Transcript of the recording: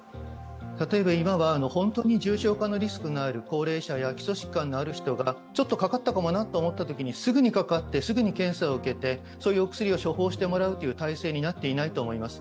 例えば今は本当に重症化リスクのある高齢者や基礎疾患のある人が、ちょっとかかったかもと思ったときにすぐにかかって、すぐに検査を受けて、そういうお薬を処方してもらう体制になっていないと思います。